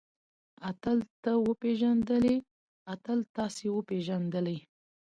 اتل تۀ وپېژندلې؟ اتل تاسې وپېژندلئ؟